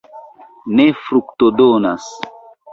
ne fruktodonas.